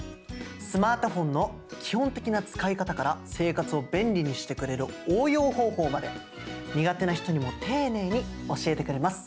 スマートフォンの基本的な使い方から生活を便利にしてくれる応用方法まで苦手な人にも丁寧に教えてくれます。